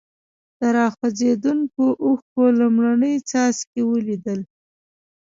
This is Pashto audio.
د را خوځېدونکو اوښکو لومړني څاڅکي ولیدل.